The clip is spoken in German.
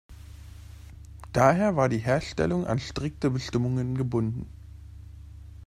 Daher war die Herstellung an strikte Bestimmungen gebunden.